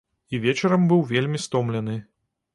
І вечарам быў вельмі стомлены.